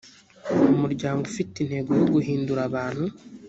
umuryango ufite intego yo guhindura abantu